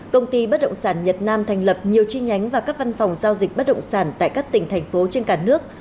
công ty bất động sản nhật nam thành lập nhiều chi nhánh và các văn phòng giao dịch bất động sản tại các tỉnh thành phố trên cả nước